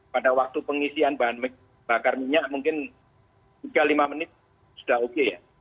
pada waktu pengisian bahan bakar minyak mungkin tiga lima menit sudah oke ya